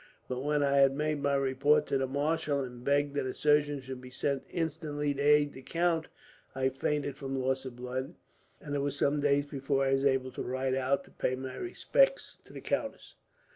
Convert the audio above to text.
But when I had made my report to the marshal, and begged that a surgeon should be sent instantly to aid the count, I fainted from loss of blood; and it was some days before I was able to ride out to pay my respects to the countess."